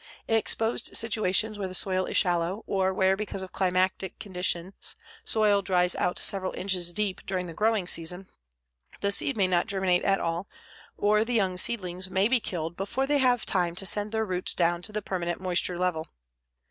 In exposed situations where the soil is shallow, or where because of climatic conditions soil dries out several inches deep during the growing season, the seed may not germinate at all, or the young seedlings may be killed before they have time to send their roots down to the permanent moisture level.